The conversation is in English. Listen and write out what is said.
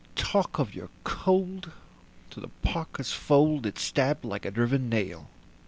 Talk of your cold! through the parka's fold it stabbed like a driven nail.